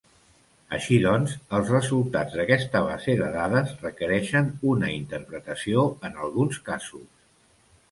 Així doncs, els resultats d'aquesta base de dades requereixen una interpretació en alguns casos.